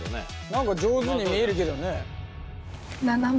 何か上手に見えるけどね。